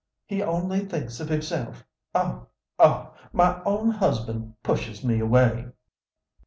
He only thinks of himself. Oh, oh, my own husband pushes me away."